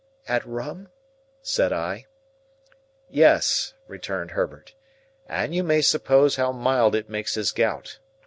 "At rum?" said I. "Yes," returned Herbert, "and you may suppose how mild it makes his gout.